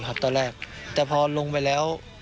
ตอนแรกแต่พอลงไปแล้ว